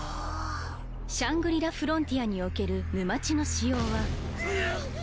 「シャングリラ・フロンティア」における沼地の仕様はうっ！